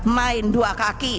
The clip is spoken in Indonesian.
main dua kaki